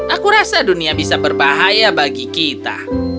aku rasa dunia bisa berbahaya bagi kita